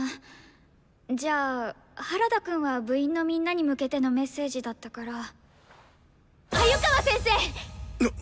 じゃあ原田くんは部員のみんなに向けてのメッセージだったから鮎川先生！